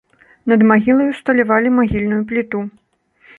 Над магілай усталявалі магільную пліту.